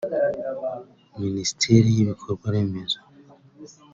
Minisiteri y’ibikorwa remezo